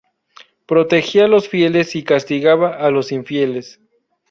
Protegía los fieles y castigaba a los infieles.